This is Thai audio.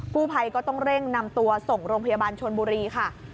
ผู้ภัยก็ต้องเร่งนำตัวส่งโรงพยาบาลชนบุรีค่ะ